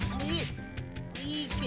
いいけど。